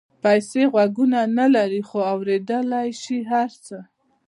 پیسې غوږونه نه لري خو اورېدلای شي هر څه.